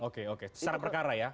oke oke secara perkara ya